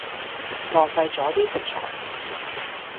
浪費左啲食材